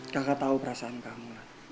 kakak tau perasaan kamu